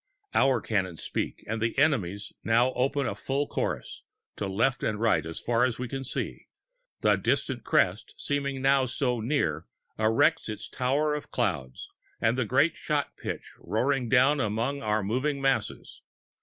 Our cannon speak and the enemy's now open in full chorus; to right and left as far as we can see, the distant crest, seeming now so near, erects its towers of cloud, and the great shot pitch roaring down among our moving masses.